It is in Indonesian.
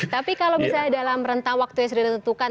tapi kalau misalnya dalam rentang waktu yang sudah ditentukan